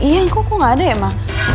iya kok nggak ada ya ma